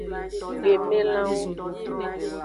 Gbemelanwo.